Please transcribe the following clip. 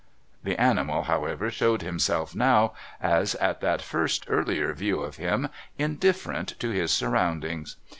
The animal, however, showed himself now, as at that first earlier view of him, indifferent to his surroundings.